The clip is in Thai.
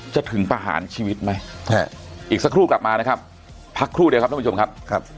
ถึงประหารชีวิตไหมอีกสักครู่กลับมานะครับพักครู่เดียวครับท่านผู้ชมครับ